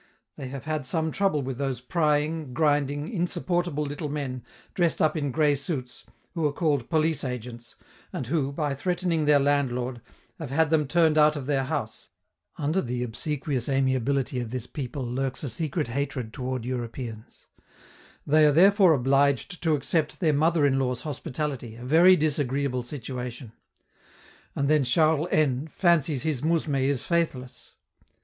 They have had some trouble with those prying, grinding, insupportable little men, dressed up in gray suits, who are called police agents, and who, by threatening their landlord, have had them turned out of their house (under the obsequious amiability of this people lurks a secret hatred toward Europeans) they are therefore obliged to accept their mother in law's hospitality, a very disagreeable situation. And then Charles N fancies his mousme is faithless.